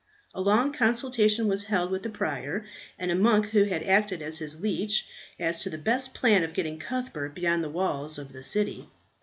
A long consultation was held with the prior and a monk who had acted as his leech, as to the best plan of getting Cuthbert beyond the walls of the city.